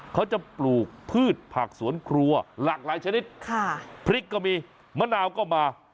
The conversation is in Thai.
เขาจะปลูกพืชผักสวนครัวหลากหลายชนิดค่ะพริกก็มีมะนาวก็มา